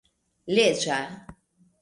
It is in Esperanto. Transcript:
leĝa